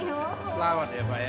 selamat ya pak ya